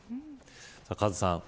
カズさん